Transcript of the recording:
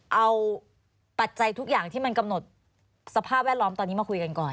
เอาปัจจัยทุกอย่างที่มันกำหนดสภาพแวดล้อมตอนนี้มาคุยกันก่อน